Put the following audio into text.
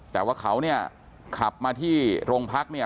แต่ว่าเขาเนี่ยขับมาที่โรงพักเนี่ย